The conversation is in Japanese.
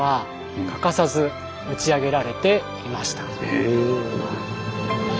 へえ。